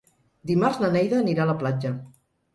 Dimarts na Neida anirà a la platja.